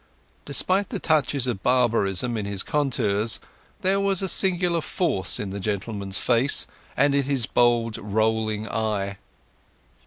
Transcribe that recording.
Despite the touches of barbarism in his contours, there was a singular force in the gentleman's face, and in his bold rolling eye.